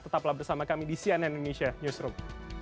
tetaplah bersama kami di cnn indonesia newsroom